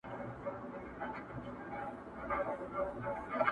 سل یې نوري ورسره وې سهیلیاني.!